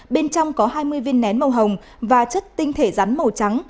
bên trong có hai mươi viên nén màu hồng và chất tinh thể rắn màu trắng